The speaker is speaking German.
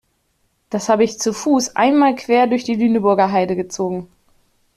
Das habe ich zu Fuß einmal quer durch die Lüneburger Heide gezogen.